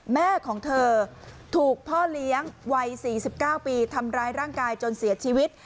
แม่ของเธอถูกพ่อเลี้ยงวัย๔๙ปีทำร้ายร่างกายจนเสียชีวิต